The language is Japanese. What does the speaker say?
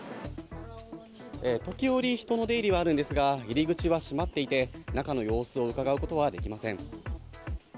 時折、人の出入りはあるんですが、入り口は閉まっていて、中の様子をうかがうことはできません。